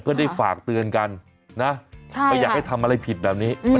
เพื่อได้ฝากเตือนกันนะใช่ค่ะไม่อยากให้ทำอะไรผิดแบบนี้อืม